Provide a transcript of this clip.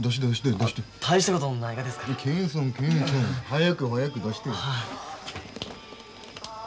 早く早く出して。